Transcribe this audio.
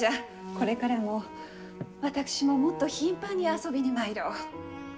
これからも私も、もっと頻繁に遊びに参ろう。